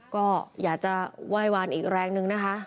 ก็อยากจะไหว้วานอีกแรงนึงนะคะ